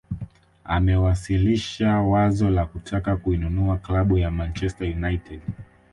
Amewasilisha wazo la kutaka kuinunua klabu ya Manchester United